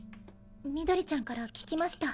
ミドリちゃんから聞きました。